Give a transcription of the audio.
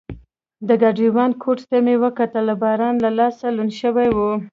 د ګاډیوان کوټ ته مې وکتل، باران له لاسه لوند شوی و.